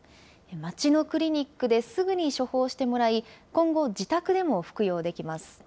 街のクリニックですぐに処方してもらい、今後、自宅でも服用できます。